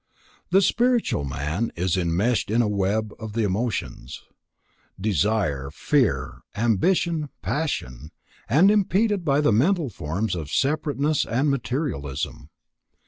The spiritual man is enmeshed in the web of the emotions; desire, fear, ambition, passion; and impeded by the mental forms of separateness and materialism.